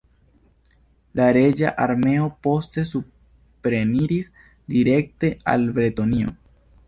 La reĝa armeo, poste supreniris direkte al Bretonio.